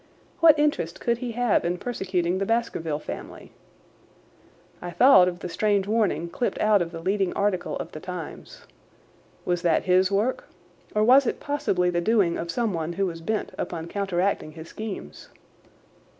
What interest could he have in persecuting the Baskerville family? I thought of the strange warning clipped out of the leading article of the Times. Was that his work or was it possibly the doing of someone who was bent upon counteracting his schemes?